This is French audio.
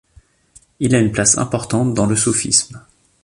Il a une place importante dans le soufisme.